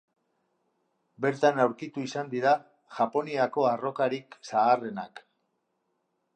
Bertan aurkitu izan dira Japoniako arrokarik zaharrenak.